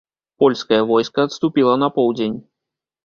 Польскае войска адступіла на поўдзень.